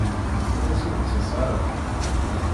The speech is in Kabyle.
In-as ur d-ttaseɣ ara.